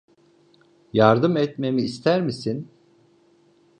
Yardım etmemi ister misin?